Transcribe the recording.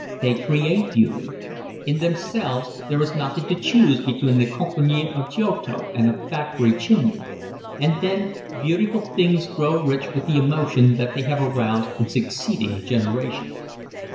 They create beauty. In themselves there is nothing to choose between the Campanile of Giotto and a factory chimney. And then beautiful things grow rich with the emotion that they have aroused in succeeding generations.